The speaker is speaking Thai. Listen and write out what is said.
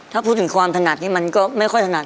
ถ้าพูดถึงความถนัดนี่มันก็ไม่ค่อยถนัด